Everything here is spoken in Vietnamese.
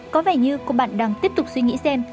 có vẻ như cô bạn đang tiếp tục suy nghĩ xem